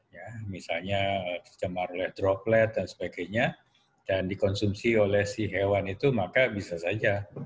ya misalnya dicemar oleh droplet dan sebagainya dan dikonsumsi oleh si hewan itu maka bisa saja